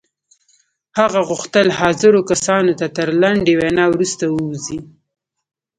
هغه غوښتل حاضرو کسانو ته تر لنډې وينا وروسته ووځي.